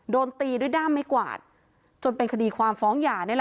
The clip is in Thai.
โดนตีด้วยด้ามไม้กวาดจนเป็นคดีความฟ้องหย่านี่แหละ